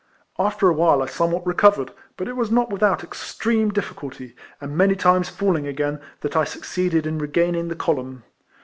After awhile I somewhat recovered ; but it was not with out extreme difficult)^, and many times falling again, that I succeeded in regaining the column.